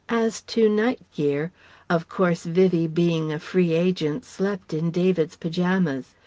As to night gear: of course Vivie being a free agent slept in David's paijamas.